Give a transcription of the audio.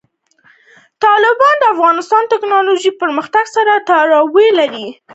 تالابونه د افغانستان د تکنالوژۍ پرمختګ سره تړاو لري.